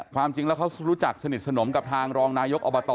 ความจริงแล้วเขารู้จักสนิทสนมกับทางรองนายกอบต